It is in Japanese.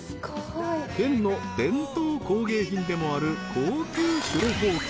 ［県の伝統工芸品でもある高級シュロほうき］